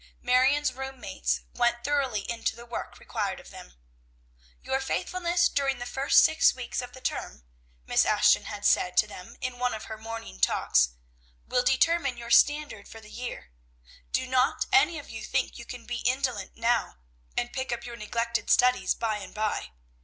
Marion's room mates went thoroughly into the work required of them. "Your faithfulness during the first six weeks of the term," Miss Ashton had said to them in one of her morning talks, "will determine your standard for the year. Do not any of you think you can be indolent now, and pick up your neglected studies by and by.